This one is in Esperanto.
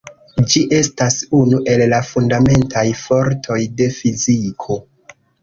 Ĝi estas unu el la fundamentaj fortoj de fiziko.